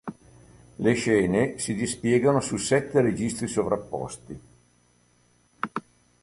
Le scene si dispiegano su sette registri sovrapposti.